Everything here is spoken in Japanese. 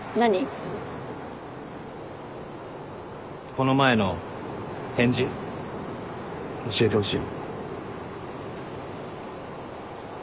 この前の返事教えてほしい。